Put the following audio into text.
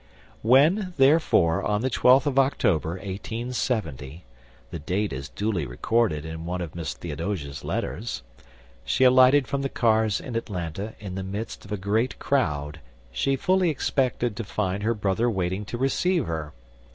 When, therefore, on the 12th of October, 1870 the date is duly recorded in one of Miss Theodosia's letters she alighted from the cars in Atlanta, in the midst of a great crowd, she fully expected to find her brother waiting to receive her.